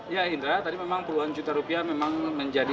ya indra tadi memang puluhan juta rupiah memang menjadi